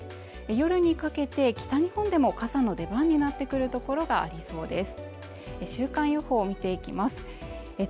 夜にかけて北日本でも傘の出番になってくるところがありそうです